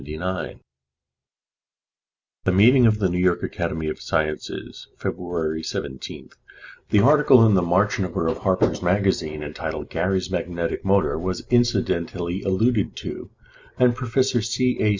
At the meeting of the New York Academy of Sciences February 17th, the article in the March number of Harper's Magazine, entitled "Gary's Magnetic Motor," was incidentally alluded to, and Prof. C. A.